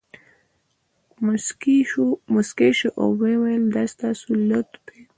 مسکی شو او ویې ویل دا ستاسې لطف دی.